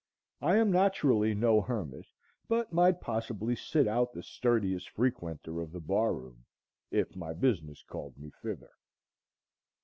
I am naturally no hermit, but might possibly sit out the sturdiest frequenter of the bar room, if my business called me thither.